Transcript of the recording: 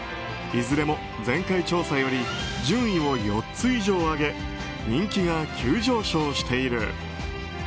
いずれも前回調査より順位を４つ以上上げ人気が急上昇している。